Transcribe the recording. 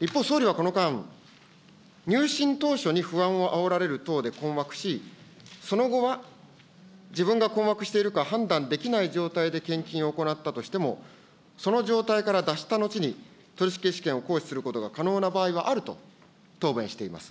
一方、総理はこの間、入信当初に不安をあおられる等で困惑し、その後は、自分が困惑しているか判断できない状態で献金を行ったとしても、その状態から脱した後に取消権を行使することが可能な場合はあると答弁しています。